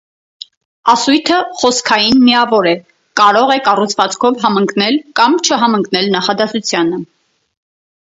Ասույթը խոսքային միավոր է, կարող է կառուցվածքով համընկնել կամ չհամընկնել նախադասությանը։